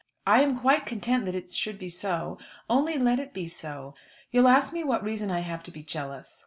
I am quite content that it should be so. Only let it be so. You'll ask me what reason I have to be jealous.